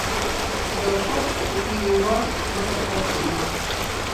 За ўсё, што купілі ў вас, мы заплацілі.